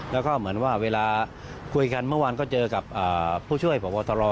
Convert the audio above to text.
แล้วก็เวลาคุยกันเมื่อวญก็เจอกับผู้ช่วยผบหัวตร